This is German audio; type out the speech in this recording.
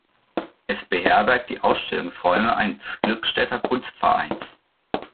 Es beherbergt die Ausstellungsräume eines Glückstädter Kunstvereins.